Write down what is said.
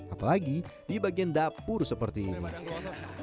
apalagi di bagian dapur seperti ini